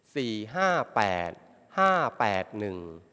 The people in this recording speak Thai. สี่ห้าแปดห้าแปดหนึ่ง